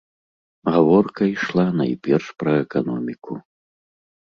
Гаворка ішла найперш пра эканоміку.